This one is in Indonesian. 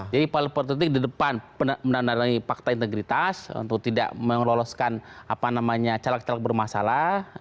jadi partai politik di depan menandai nandai fakta integritas untuk tidak meloloskan caleg caleg bermasalah